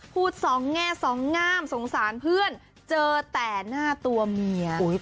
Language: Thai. สองแง่สองงามสงสารเพื่อนเจอแต่หน้าตัวเมีย